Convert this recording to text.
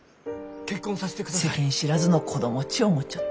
世間知らずの子供っち思っちょった。